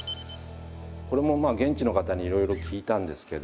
これも現地の方にいろいろ聞いたんですけど。